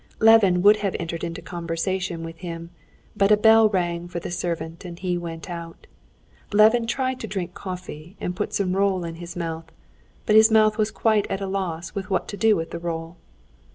Levin would have entered into conversation with him, but a bell rang for the servant, and he went out. Levin tried to drink coffee and put some roll in his mouth, but his mouth was quite at a loss what to do with the roll.